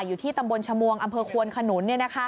อยู่ที่ตำบลชมวงอำเภอควนขนุน